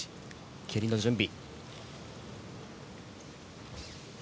蹴りの準備。